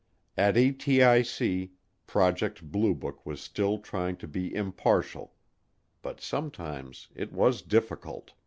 At ATIC, Project Blue Book was still trying to be impartial but sometimes it was difficult.